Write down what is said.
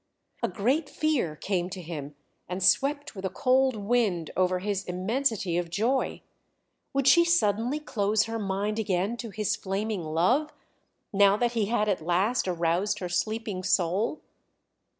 A great fear came to him and swept with a cold wind over his immensity of joy. Would she suddenly close her mind again to his flaming love, now that he had at last aroused her sleeping soul?